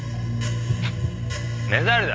目障りだ。